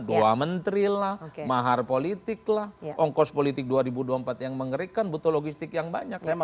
dua menteri lah mahar politik lah ongkos politik dua ribu dua puluh empat yang mengerikan butuh logistik yang banyak